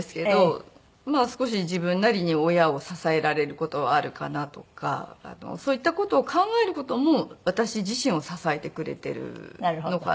少し自分なりに親を支えられる事はあるかなとかそういった事を考える事も私自身を支えてくれているのかなと思ったりはします。